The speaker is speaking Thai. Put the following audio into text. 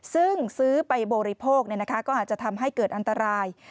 ซึ่งซื้อไปบริโภคก็อาจจะทำให้เกิดอันตราย